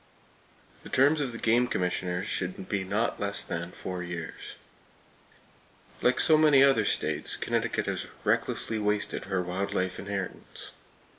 The terms of the game commissioners should be not less than four years. Like so many other states, Connecticut has recklessly wasted her wild life inheritance.